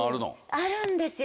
あるんですよ